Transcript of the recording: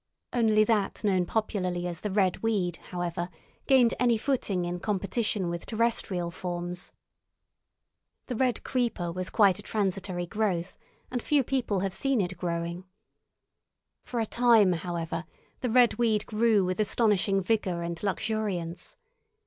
Only that known popularly as the red weed, however, gained any footing in competition with terrestrial forms. The red creeper was quite a transitory growth, and few people have seen it growing. For a time, however, the red weed grew with astonishing vigour and luxuriance.